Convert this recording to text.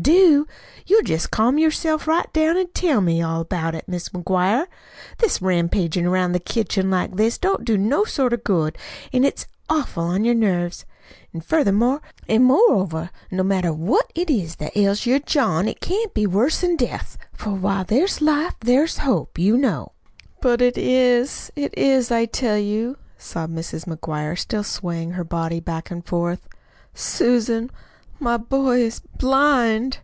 "Do? You'll jest calm yourself right down an' tell me all about it, Mis' McGuire. This rampagin' 'round the kitchen like this don't do no sort of good, an' it's awful on your nerves. An' furthermore an' moreover, no matter what't is that ails your John, it can't be worse'n death; for while there's life there's hope, you know." "But it is, it is, I tell you," sobbed Mrs. McGuire still swaying her body back and forth. "Susan, my boy is BLIND."